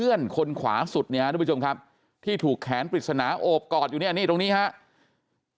เพื่อนคนขวาสุดที่ถูกแขนปริศนาโอบกอดอยู่ตรงนี้ครับ